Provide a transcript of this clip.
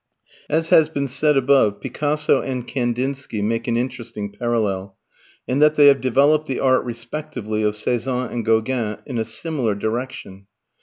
As has been said above, Picasso and Kandinsky make an interesting parallel, in that they have developed the art respectively of Cezanne and Gauguin, in a similar direction.